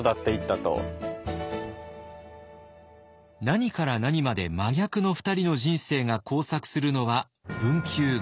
何から何まで真逆の２人の人生が交錯するのは文久元年。